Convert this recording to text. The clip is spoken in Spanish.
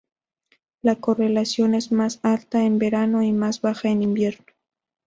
La correlación es más alta en verano y más baja en invierno.